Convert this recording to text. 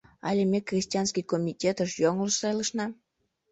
Ала ме крестьянский комитетыш йоҥылыш сайлышна.